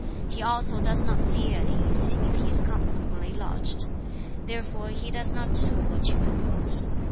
He also does not feel at ease, if he is comfortably lodged. Therefore he does not do what you propose.